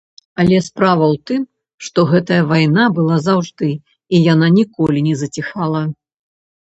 Але справа ў тым, што гэтая вайна была заўжды і яна ніколі не заціхала.